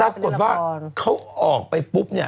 รับกฎว่าเขาออกไปปุ๊บ